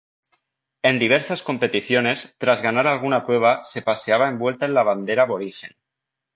En diversas competiciones, tras ganar alguna prueba se paseaba envuelta en la bandera aborigen.